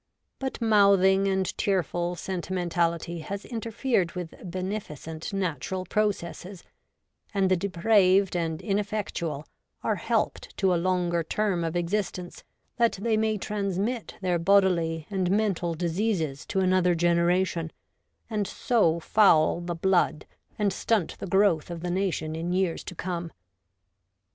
But mouthing and tearful sentimentality has interfered with beneficent natural processes, and the depraved and ineffectual are helped to a longer term of existence, that they may transmit their bodily and mental diseases to another generation, and so foul WOMAN IN SOCIAL POLITY. 53 the blood and stunt the growth of the nation in years to come.